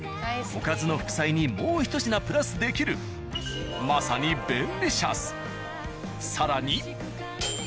おかずの副菜にもうひと品プラスできるまさに更に。